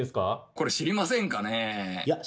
これ知りませんかねえ？